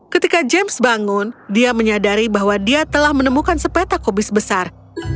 ketika james bangun dia menyadari bahwa dia telah menemukan sepeta kobis besar